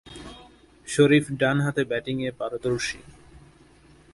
শরীফ ডানহাতে ব্যাটিংয়ে পারদর্শী।